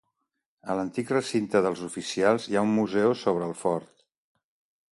A l'antic recinte dels oficials hi ha un museu sobre el fort.